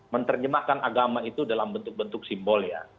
menerjemahkan agama itu dalam bentuk bentuk simbol ya